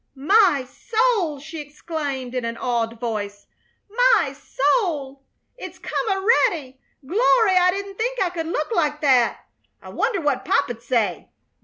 "My soul!" she exclaimed in an awed voice. "My soul! It's come a'ready! Glory! I didn't think I could look like that! I wonder what Pop 'd say!